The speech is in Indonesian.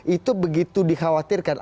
itu begitu dikhawatirkan